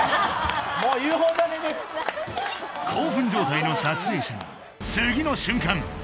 興奮状態の撮影者に次の瞬間